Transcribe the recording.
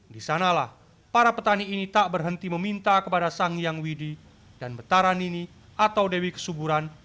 di sanalah para petani ini tak berhenti meminta kepada sang yang widi dan betara nini atau dewi kesuburan